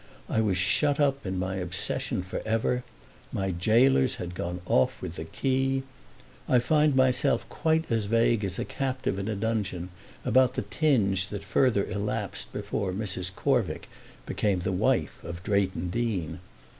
I was shut up in my obsession for ever—my gaolers had gone off with the key. I find myself quite as vague as a captive in a dungeon about the tinge that further elapsed before Mrs. Corvick became the wife of Drayton Deane.